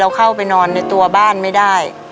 เข้าไปนอนในตัวบ้านไม่ได้